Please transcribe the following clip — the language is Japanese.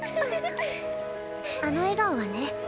あの笑顔はね